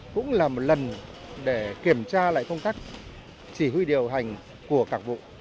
cũng là một lần để kiểm tra lại công tác chỉ huy điều hành của cảng vụ